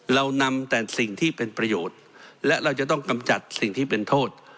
เรานำแต่สิ่งที่เป็นประโยชน์และเราจะต้องกำจัดสิ่งที่เป็นโทษ